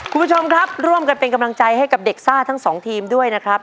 คุณผู้ชมครับร่วมกันเป็นกำลังใจให้กับเด็กซ่าทั้งสองทีมด้วยนะครับ